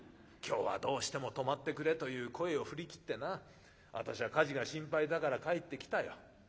今日はどうしても泊まってくれという声を振り切ってな私は火事が心配だから帰ってきたよ。